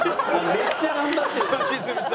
めっちゃ頑張ってる。